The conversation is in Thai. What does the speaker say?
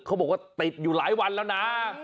เขาบอกว่าติดอยู่หลายวันแล้วนะ